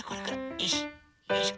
よいしょよいしょ。